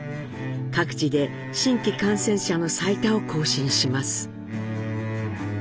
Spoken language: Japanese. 各地で新規感染者の最多を更新します。